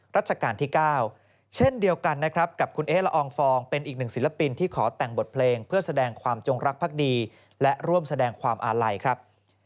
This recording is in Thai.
ราชการที่๙เช่นเดียวกันนะครับกับคุณเอ๊ละอองฟองเป็นอีกหนึ่งศิลปินที่ขอแต่งบทเพลงเพื่อแสดงความจงรักภักดีและร่วมแสดงความอาลัยครับ